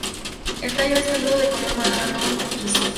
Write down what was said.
El tallo es peludo de color marrón rojizo.